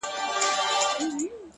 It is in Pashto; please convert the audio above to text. ويل يې غواړم ځوانيمرگ سي ـ